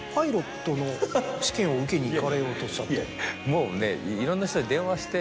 もうねいろんな人に電話して。